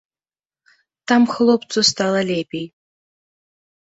Там хлопцу стала лепей.